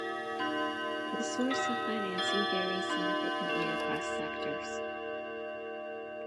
The source of financing varies significantly across sectors.